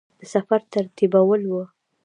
د سفر ترتیبول وه.